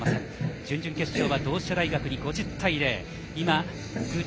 準々決勝は同志社大学に５０対０。